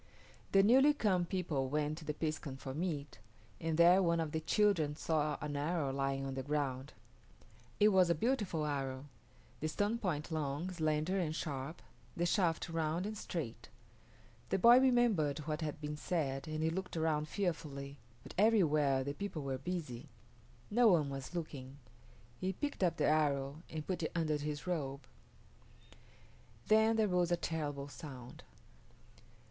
The newly come people went to the piskun for meat, and there one of the children saw an arrow lying on the ground. It was a beautiful arrow, the stone point long, slender, and sharp, the shaft round and straight. The boy remembered what had been said and he looked around fearfully, but everywhere the people were busy. No one was looking. He picked up the arrow and put it under his robe. Then there rose a terrible sound.